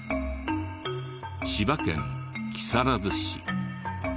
千葉県木更津市。